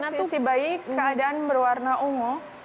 di situ posisi bayi keadaan berwarna ungu